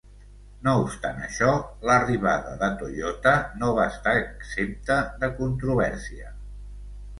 No obstant això, l'arribada de Toyota no va estar exempta de controvèrsia.